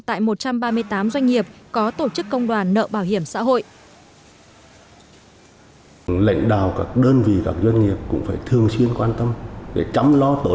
tại một trăm ba mươi tám doanh nghiệp có tổ chức công đoàn nợ bảo hiểm xã hội